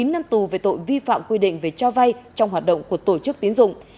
chín năm tù về tội vi phạm quy định về cho vay trong hoạt động của tổ chức tiến dụng